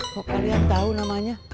kok kalian tahu namanya